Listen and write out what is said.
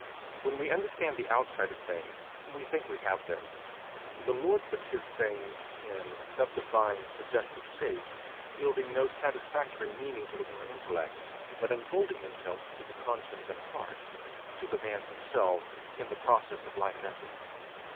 When we understand the outside of things, we think we have them: the Lord puts his things in subdefined, suggestive shapes, yielding no satisfactory meaning to the mere intellect, but unfolding themselves to the conscience and heart, to the man himself, in the process of life effort.